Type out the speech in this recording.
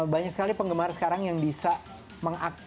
banyak sekali penggemar sekarang yang bisa kami akses